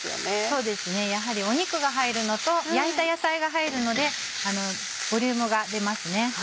そうですねやはり肉が入るのと焼いた野菜が入るのでボリュームが出ますね。